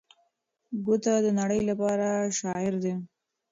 ګوته د نړۍ لپاره شاعر دی.